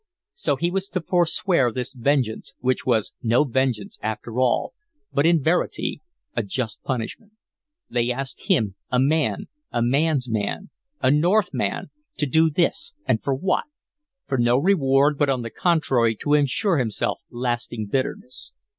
So he was to forswear this vengeance, which was no vengeance after all, but in verity a just punishment. They asked him a man a man's man a Northman to do this, and for what? For no reward, but on the contrary to insure himself lasting bitterness.